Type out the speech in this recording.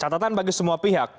catatan bagi semua pihak